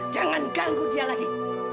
jangan ganggu dia lagi